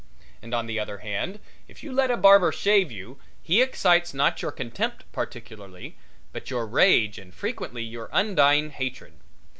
And on the other hand, if you let a barber shave you he excites not your contempt particularly, but your rage and frequently your undying hatred.